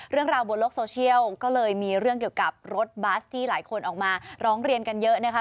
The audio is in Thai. เรื่องราวบนโลกโซเชียลก็เลยมีเรื่องเกี่ยวกับรถบัสที่หลายคนออกมาร้องเรียนกันเยอะนะคะ